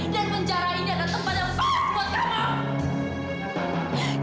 dan penjara ini adalah tempat yang soles buat kamu